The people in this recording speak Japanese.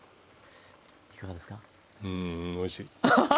うんおいしい！